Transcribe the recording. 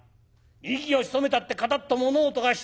息を潜めたってカタッと物音がした。